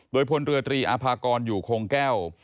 โดยพลเรือตรีอาภากรอยู่คงแก้ว